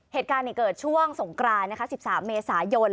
เหตุการณ์เกิดช่วงสงกราน๑๓เมษายน